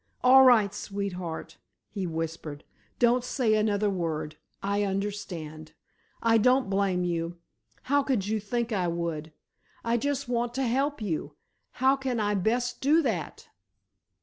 "All right, sweetheart," he whispered, "don't say another word—I understand. I don't blame you—how could you think I would! I just want to help you. How can I best do that?"